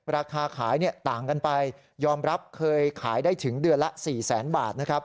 ราคาขายต่างกันไปยอมรับเคยขายได้ถึงเดือนละ๔๐๐๐บาทนะครับ